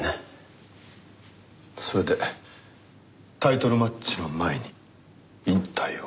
それでタイトルマッチの前に引退を？